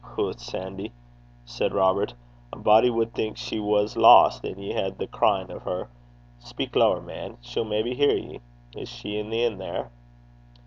'Hoot, Sandy!' said Robert, 'a body wad think she was tint (lost) and ye had the cryin' o' her. Speyk laicher, man; she'll maybe hear ye. Is she i' the inn there?'